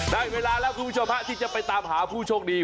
ได้เวลาแล้วคุณผู้ชมฮะที่จะไปตามหาผู้โชคดี